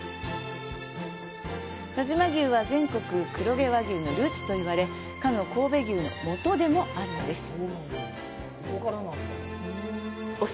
但馬牛は、全国の黒毛和牛のルーツといわれ、かの神戸牛のもとでもあるんです。